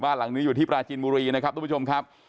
หลังนี้อยู่ที่ปราจีนบุรีนะครับทุกผู้ชมครับ